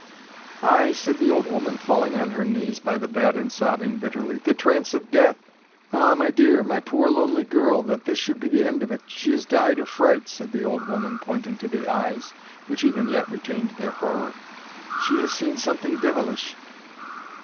"Ay," said the old woman, falling on her knees by the bed and sobbing bitterly, "the trance of death. Ah, my dear, my poor lonely girl, that this should be the end of it! She has died of fright," said the old woman, pointing to the eyes, which even yet retained their horror. "She has seen something devilish."